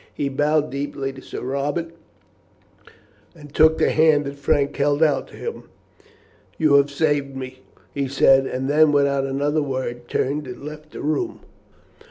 He bowed deeply to Sir Robert, and took the hand that Frank held out to him. "You have saved me," he said, and then, without another word, turned and left the room.